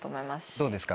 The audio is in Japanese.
どうですか？